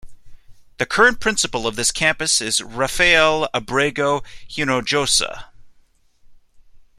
The current principal of this campus is Rafael Abrego Hinojosa.